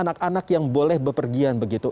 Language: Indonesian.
anak anak yang boleh bepergian begitu